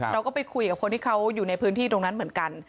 เราก็ไปคุยกับคนที่เขาอยู่ในพื้นที่ตรงนั้นเหมือนกัน